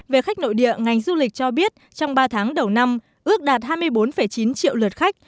về khách nội địa ngành du lịch cho biết trong ba tháng đầu năm ước đạt hai mươi bốn chín triệu lượt khách